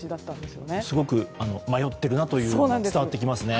すごく迷っているなというのが伝わってきますね。